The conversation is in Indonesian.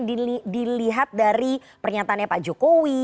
dilihat dari pernyataannya pak jokowi